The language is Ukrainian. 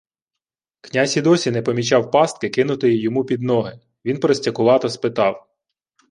Князь і досі не помічав пастки, кинутої йому під ноги. Він простякувато спитав: